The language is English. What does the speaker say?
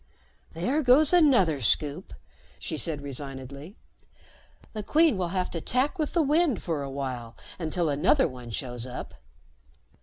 "There goes another Scoop," she said resignedly. "The Queen will have to tack with the wind for a while until another one shows up."